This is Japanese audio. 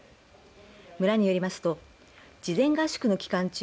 村によりますと事前合宿の期間中